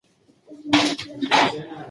بازار د زړورو خلکو ځای دی.